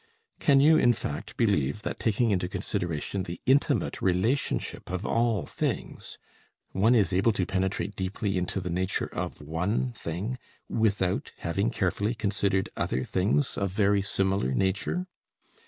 Can you, in fact, believe that taking into consideration the intimate relationship of all things, one is able to penetrate deeply into the nature of one thing without having carefully considered other things of a very similar nature?